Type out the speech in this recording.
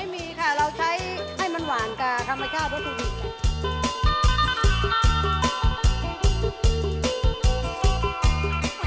ไม่มีค่ะเราใช้ให้มันหวานค่ะทำไมถ้าเอาวัตถุดิบ